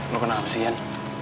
lu kenapa sih yan